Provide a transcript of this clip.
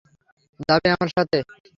যাবে আমাদের সাথে?